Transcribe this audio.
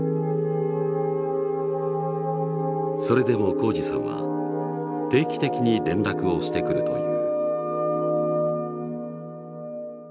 それでも公二さんは定期的に連絡をしてくるという。